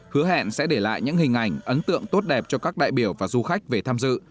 hứa hẹn sẽ để lại những hình ảnh ấn tượng tốt đẹp cho các đại biểu và du khách về tham dự